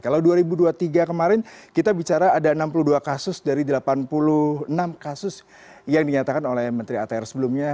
kalau dua ribu dua puluh tiga kemarin kita bicara ada enam puluh dua kasus dari delapan puluh enam kasus yang dinyatakan oleh menteri atr sebelumnya